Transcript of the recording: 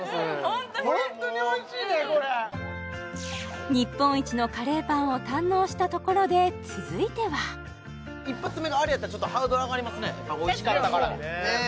ホントにホントにおいしいねこれ日本一のカレーパンを堪能したところで続いては１発目があれやったらちょっとハードル上がりますねおいしかったからねえ